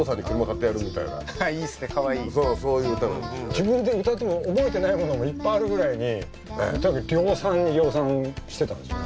自分で歌っても覚えてないものもいっぱいあるぐらいに量産に量産してたんですね